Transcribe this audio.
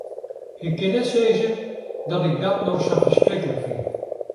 Ik kin net sizze dat ik dat no sa ferskriklik fyn.